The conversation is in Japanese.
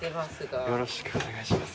よろしくお願いします。